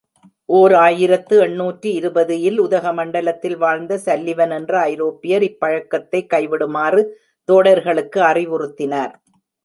ஓர் ஆயிரத்து எண்ணூற்று இருபது இல் உதகமண்டலத்தில் வாழ்ந்த சல்லிவன் என்ற ஐரோப்பியர் இப்பழக்கத்தை கைவிடுமாறு தோடர்களுக்கு அறிவுறுத்தினார்.